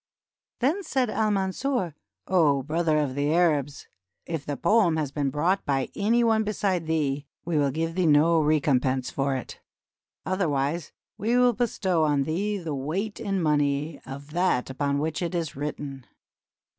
Then said Al Mansur: "O brother of the Arabs! if the poem has been brought by any one beside thee, we wiU give thee no recompense for it; otherwise we will bestow on thee the weight in money of that upon which it is written."